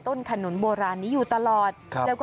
ขนุนโบราณนี้อยู่ตลอด